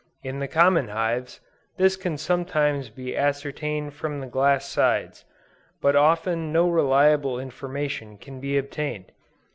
In the common hives, this can sometimes be ascertained from the glass sides; but often no reliable information can be obtained.